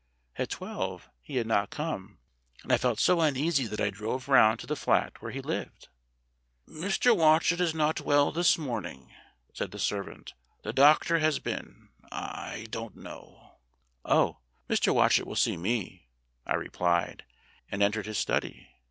At twelve he had not come, and I felt so uneasy that I drove round to the flat where he lived. "Mr. Watchet is not well this morning," said the servant. "The doctor has been. I don't know " "Oh, Mr. Watchet will see me," I replied, and en tered his study.